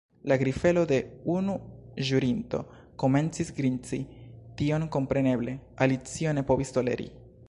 La grifelo de unu ĵurinto komencis grinci. Tion kompreneble Alicio ne povis toleri.